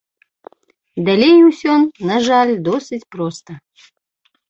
Далей усё, на жаль, досыць проста.